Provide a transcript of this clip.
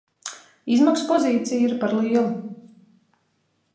Izmaksu pozīcija ir par lielu.